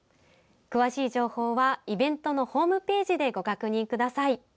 詳しい情報はイベントのホームページでご確認ください。